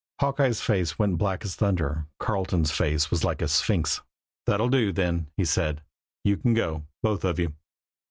Hawkeye's face went black as thunder. Carleton's face was like a sphinx. "That'll do, then," he said. "You can go, both of you."